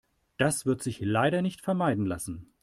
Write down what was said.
Das wird sich leider nicht vermeiden lassen.